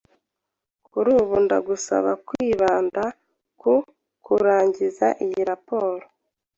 Kuri ubu, ndagusaba kwibanda ku kurangiza iyi raporo.